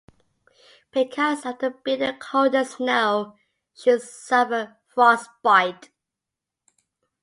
Because of the bitter cold and snow, she suffered frostbite.